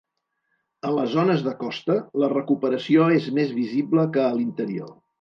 A les zones de costa, la recuperació és més visible que a l’interior.